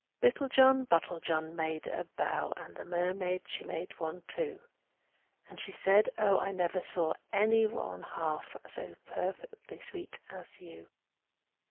Little John Bottlejohn made a bow, And the mermaid, she made one too, And she said, "Oh! I never saw any one half So perfectly sweet as you!